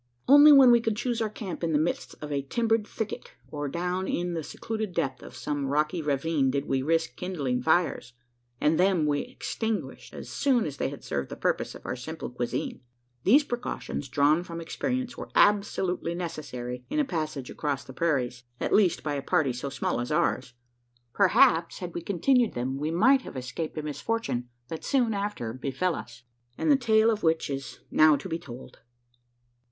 Only when we could choose our camp in the midst of a timbered thicket, or down in the secluded depth of some rocky ravine, did we risk kindling fires; and them we extinguished as soon as they had served the purposes of our simple cuisine. These precautions, drawn from experience, were absolutely necessary in a passage across the prairies at least by a party so small as ours. Perhaps had we continued them, we might have escaped a misfortune that soon after befell us; and the tale of which is now to be told.